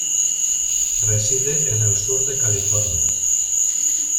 Reside en el sur de California.